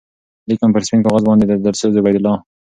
لیکم پر سپین کاغذ باندی دلسوز عبیدالله